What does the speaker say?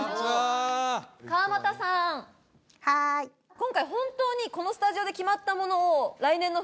今回本当にこのスタジオで決まったものを。